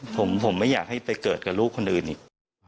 ผมไม่อยากให้ไปเกิดกับลูกคนอื่นอีก